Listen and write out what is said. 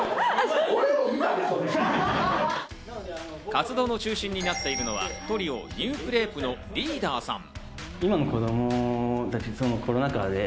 活動の中心になっているのはトリオ、ニュークレープのリーダーさん。